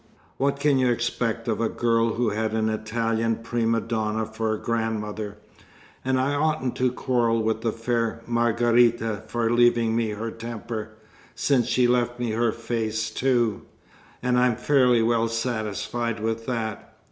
What can you expect of a girl who had an Italian prima donna for a grandmother? And I oughtn't to quarrel with the fair Margherita for leaving me her temper, since she left me her face too, and I'm fairly well satisfied with that.